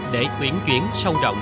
để tuyển chuyển sâu rộng